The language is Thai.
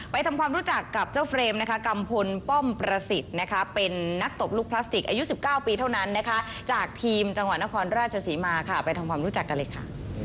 ทำความรู้จักกับเจ้าเฟรมนะคะกัมพลป้อมประสิทธิ์นะคะเป็นนักตบลูกพลาสติกอายุ๑๙ปีเท่านั้นนะคะจากทีมจังหวัดนครราชศรีมาค่ะไปทำความรู้จักกันเลยค่ะ